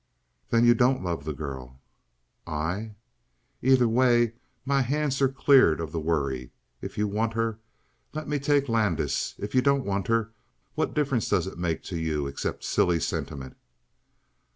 "Then you don't love the girl?" "I?" "Either way, my hands are cleared of the worry. If you want her, let me take Landis. If you don't want her, what difference does it make to you except silly sentiment?"